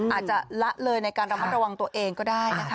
ละเลยในการระมัดระวังตัวเองก็ได้นะคะ